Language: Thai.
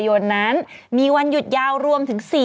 ดื่มน้ำก่อนสักนิดใช่ไหมคะคุณพี่